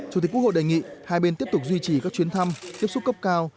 chủ tịch quốc hội đề nghị hai bên tiếp tục duy trì các chuyến thăm tiếp xúc cấp cao